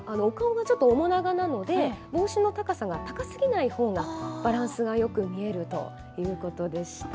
お顔がちょっと面長なので、帽子の高さが高過ぎないほうがバランスがよく見えるということでした。